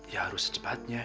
ya harus secepatnya